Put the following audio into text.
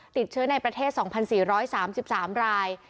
ติดเชื้อในประเทศ๒๔๓๓ราย